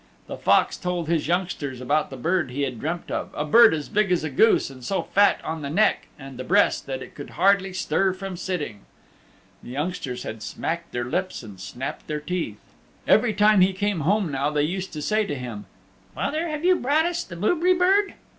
The Fox told his youngsters about the bird he had dreamt of a bird as big as a goose and so fat on the neck and the breast that it could hardly stir from sitting. The youngsters had smacked their lips and snapped their teeth. Every time he came home now they used to say to him "Father, have you brought us the Boobrie Bird?"